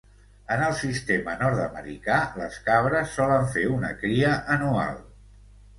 En el sistema nord-americà, les cabres solen fer una cria anual.